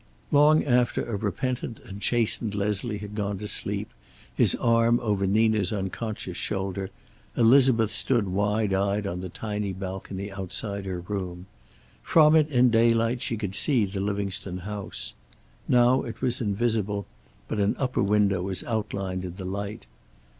Long after a repentant and chastened Leslie had gone to sleep, his arm over Nina's unconscious shoulder, Elizabeth stood wide eyed on the tiny balcony outside her room. From it in daylight she could see the Livingstone house. Now it was invisible, but an upper window was outlined in the light.